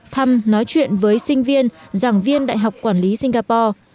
thăm nói chuyện với sinh viên giảng viên đại học quản lý singapore